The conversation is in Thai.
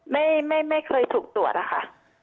ไม่เคยถูกตรวจอะค่ะ